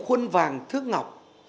khuôn vàng thước ngọc